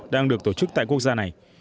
đang được tổ chức tại quốc gia này